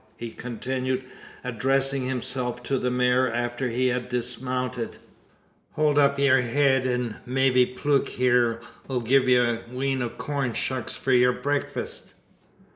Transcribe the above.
he continued, addressing himself to the mare, after he had dismounted, "Hold up yur head, an may be Plute hyur 'll gie ye a wheen o' corn shucks for yur breakfist."